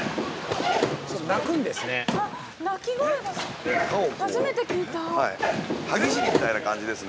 ◆鳴くんですね。